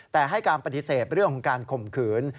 แต่ให้การปฏิเสธเรื่องของการข่มขืน